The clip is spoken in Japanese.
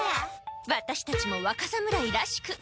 ワタシたちも若侍らしく。